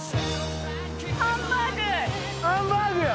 ハンバーグや！